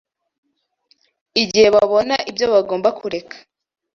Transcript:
igihe babona ibyo bagomba kureka